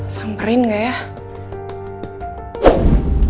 samperin gak ya